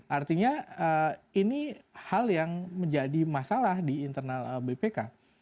artinya ini hal yang menjadi masalah di internal bpk